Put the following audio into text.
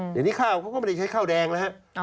เดี๋ยวนี้ข้าวเขาก็ไม่ได้ใช้ข้าวแดงแล้วฮะ